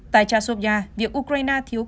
tại chasovya việc ukraine thiếu quân